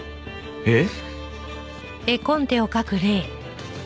えっ？